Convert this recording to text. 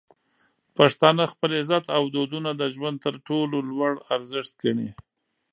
پښتانه خپل عزت او دودونه د ژوند تر ټولو لوړ ارزښت ګڼي.